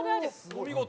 お見事。